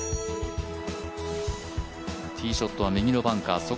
ティーショットは右のバンカー